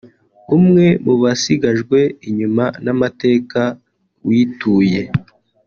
umwe mu basigajwe inyuma n’amateka wituye